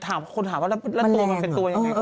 แต่คุณถามว่าแล้วตัวมันเป็นตัวอย่างไร